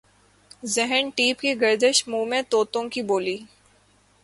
ذہن ٹیپ کی گردش منہ میں طوطوں کی بولی